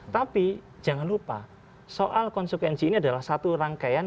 tapi jangan lupa soal konsekuensi ini adalah satu rangkaian